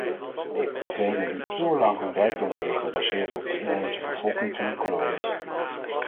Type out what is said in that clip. Degenen die eeuwenlang hun rijkdom hebben gebaseerd op de inheemse bevolking van hun kolonies?